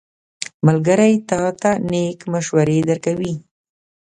ملګری تا ته نېک مشورې درکوي.